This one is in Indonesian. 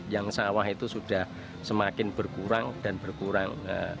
yang sawah itu sudah semakin berkurang dan berkurang